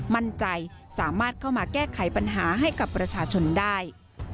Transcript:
มั่นใจสามารถเข้ามาแก้ไขปัญหาให้กับประชาชนได้